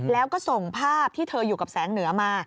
แล้วก็ส่งภาพที่เธออยู่กับแสงเหนือมา